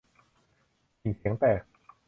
ฉิ่งเสียงแตก